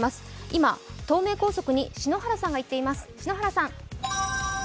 今、東名高速に篠原さんが行っています。